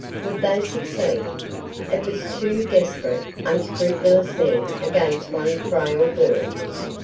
Would they succeed? It was two desperate, unscrupulous men against one frail girl.